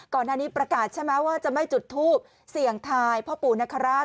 ก่อนหน้านี้ประกาศใช่ไหมว่าจะไม่จุดทูบเสี่ยงทายพ่อปู่นคราช